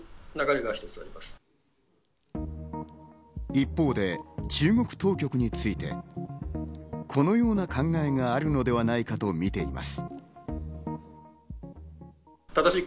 一方で中国当局についてこのような考えがあるのではないかとみています。